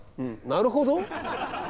なるほど。